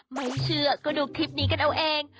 ไม่เชื่อก็ดูคลิปนี้กันเอาเอง